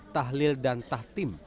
tahlil dan tahtim